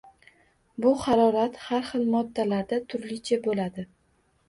Bu harorat har xil moddalarda turlicha bo’ladi